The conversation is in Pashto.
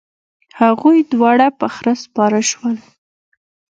هغوی دواړه په خره سپاره شول.